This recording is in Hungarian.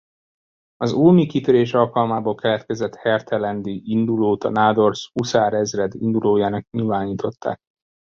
Az ulmi kitörés alkalmából keletkezett Hertelendy-indulót a Nádor huszárezred indulójának nyilvánították.